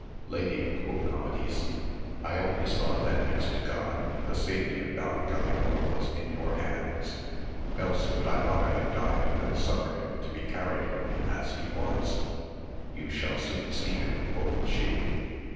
Lady, quoth Amadis, I always thought that next to God the safety of Don Galaor was in your hands, else would I rather have died than suffer him to be carried from me as he was. You shall soon see him, quoth she.